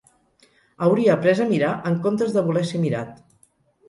Hauria après a mirar en comptes de voler ser mirat.